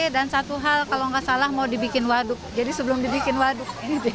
dan satu hal kalau nggak salah mau dibikin waduk jadi sebelum dibikin waduk